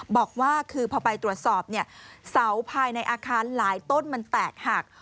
บอกว่าคือพอไปตรวจสอบเนี่ยเสาภายในอาคารหลายต้นมันแตกหัก